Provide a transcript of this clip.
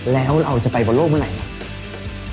แล้วเราจะไปบนโลกเมื่อไหร่ล่ะ